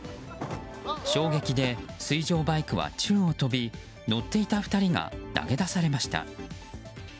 衝撃で水上バイクは宙を飛び乗っていた２人が投げ出されました。